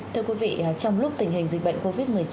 thưa quý vị trong lúc tình hình dịch bệnh covid một mươi chín